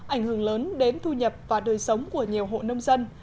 ảnh hưởng lớn đến thu nhập và đời sống của nhiều hộ nông dân